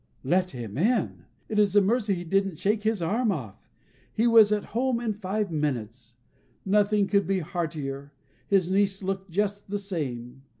Let him in! It is a mercy he didn't shake his arm off. He was at home in five minutes. Nothing could be heartier. His niece looked just the same.